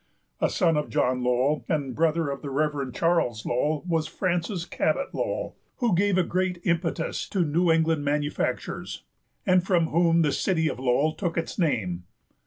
A son of John Lowell and brother of the Rev. Charles Lowell was Francis Cabot Lowell, who gave a great impetus to New England manufactures, and from whom the city of Lowell took its name.